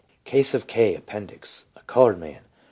Case of K. (Appendix.) A colored man.